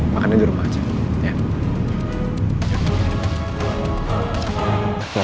makannya di rumah aja